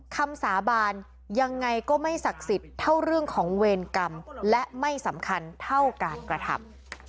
คำสาบานยังไงก็ไม่ศักดิ์สิทธิ์เท่าเรื่องของเวรกรรมและไม่สำคัญเท่าการกระทำ